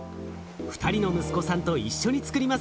２人の息子さんと一緒につくりますよ。